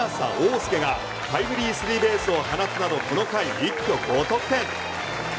翼がタイムリースリーベースを放つなど、この回一挙５得点。